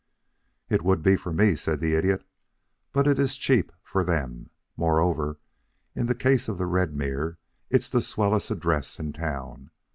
"It would be for me," said the Idiot. "But it is cheap for them. Moreover, in the case of the Redmere it's the swellest address in town.